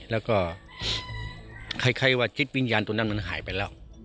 แล้วก็คล้ายว่าจิตวิญญาณตัวนั้นมันหายไปแล้ว